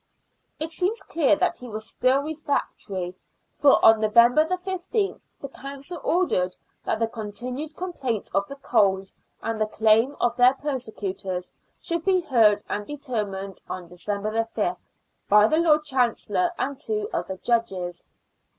It seems clear that he was still refractory, for on November 15th the Council ordered that the continued complaints of the Coles and the claim of their persecutors should be heard and determined on December 5th by the Lord Chancellor and two other judges.